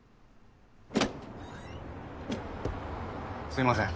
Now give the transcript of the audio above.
すいません